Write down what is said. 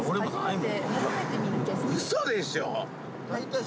嘘でしょ？